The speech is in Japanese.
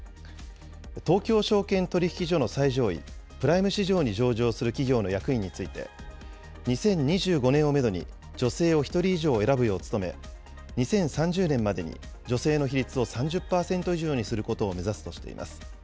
東京証券取引所の最上位、プライム市場に上場する企業の役員について、２０２５年をメドに女性を１人以上選ぶよう努め、２０３０年までに女性の比率を３０％以上にすることを目指すとしています。